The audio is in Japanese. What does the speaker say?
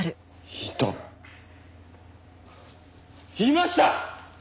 いました！